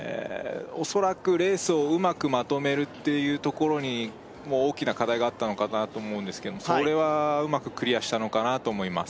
おそらくレースをうまくまとめるっていうところに大きな課題があったのかなと思うんですけどそれはうまくクリアしたのかなと思います